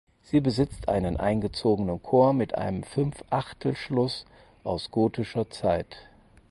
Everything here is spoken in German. Sie besitzt einen eingezogener Chor mit einem Fünfachtelschluss aus gotischer Zeit.